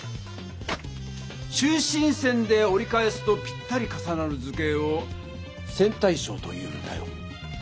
中心線でおり返すとぴったり重なる図形を「線対称」と言うんだよ。